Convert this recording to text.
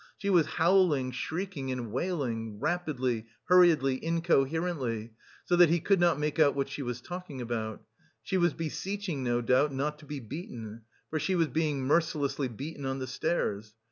She was howling, shrieking and wailing, rapidly, hurriedly, incoherently, so that he could not make out what she was talking about; she was beseeching, no doubt, not to be beaten, for she was being mercilessly beaten on the stairs.